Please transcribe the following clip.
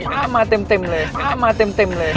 อ้ามาเต็มเลยอ้ามาเต็มเลย